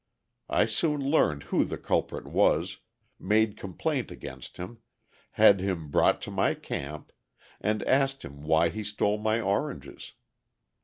I soon learned who the culprit was, made complaint against him, had him brought to my camp, and asked him why he stole my oranges.